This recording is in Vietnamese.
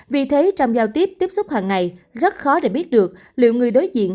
vì thế trong giao tiếp tiếp xúc hàng ngày rất khó để biết được liệu người đối diện